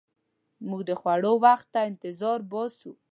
موږ د خوړو وخت ته انتظار باسو.